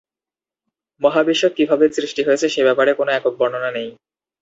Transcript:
মহাবিশ্ব কিভাবে সৃষ্টি হয়েছে সে ব্যাপারে কোন একক বর্ণনা নেই।